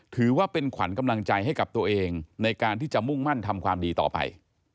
ถือว่าเป็นขวัญกำลังใจให้กับตัวเองในการที่จะมุ่งมั่นทำความดีต่อไป